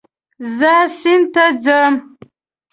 زه سیند ته ځم